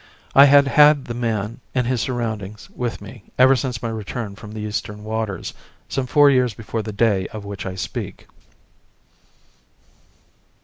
I had had the man and his surroundings with me ever since my return from the eastern waters, some four years before the day of which I speak.